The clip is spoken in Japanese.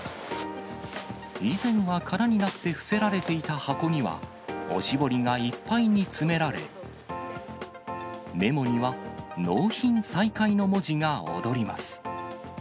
以前は空になって伏せられていた箱には、おしぼりがいっぱいに詰められ、メモには納品再開の文字が躍ります。